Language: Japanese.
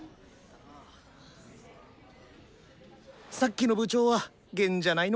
さっきの部長は弦じゃないのか。